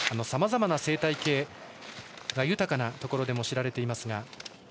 さまざまな生態系が豊かなところでも知られています。